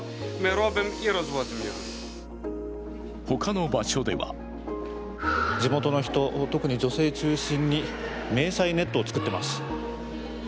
他の場所では地元の人、特に女性中心に迷彩ネットを作っています。